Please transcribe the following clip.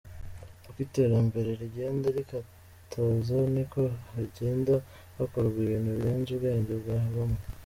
Uko iterambere rigenda rikataza, niko hagenda hakorwa ibintu birenze ubwenge bwa bamwe.